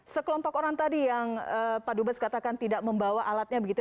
sekelompok orang tadi yang pak dubes katakan tidak membawa alatnya begitu